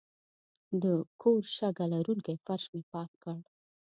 د کور شګه لرونکی فرش مې پاک کړ.